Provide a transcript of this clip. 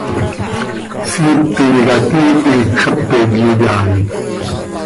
Siip tintica tiihi, xepe iyoyaai.